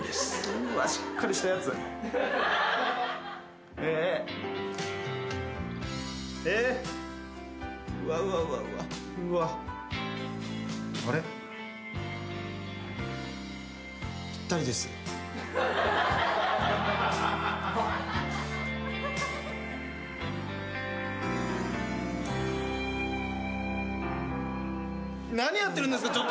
何やってるんですかちょっと！